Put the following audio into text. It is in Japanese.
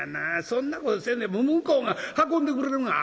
そんなことせんでも向こうが運んでくれるがな」。